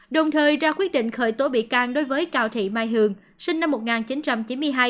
đồng thời ra quyết định khởi tố bị can đối với cào thị mai hường sinh năm một nghìn chín trăm chín mươi hai